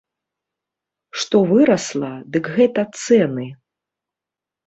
Што вырасла, дык гэта цэны.